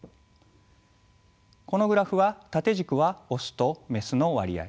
このグラフは縦軸はオスとメスの割合